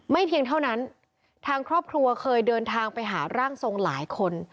เพียงเท่านั้นทางครอบครัวเคยเดินทางไปหาร่างทรงหลายคน